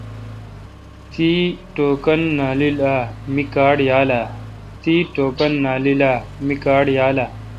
اوں ٹوکن نالاں آں می کارڈ یالہ؟